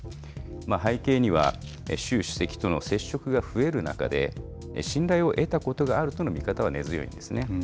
背景には、習主席との接触が増える中で、信頼を得たことがあるとの見方が根強いんですね。